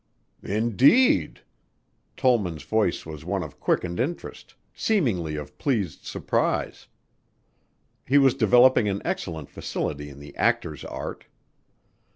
"Indeed!" Tollman's voice was one of quickened interest, seemingly of pleased surprise. He was developing an excellent facility in the actor's art.